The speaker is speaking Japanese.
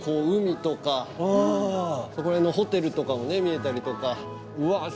海とかうんそこら辺のホテルとかもね見えたりとかうわ